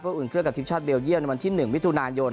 อุ่นเครื่องกับทีมชาติเบลเยี่ยมในวันที่๑มิถุนายน